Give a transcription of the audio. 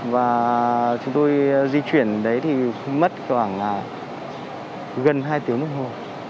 và chúng tôi di chuyển đấy thì mất khoảng gần hai tiếng đồng hồ